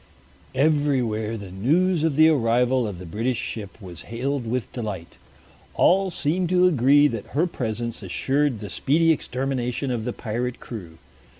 Everywhere the news of the arrival of the British warship was hailed with delight. All seemed to agree that her presence assured the speedy extermination of the pirate crew.